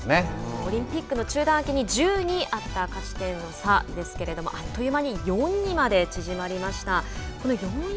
オリンピックの中断明けに１２あった勝ち点の差ですがあっという間に４にまで縮まりました。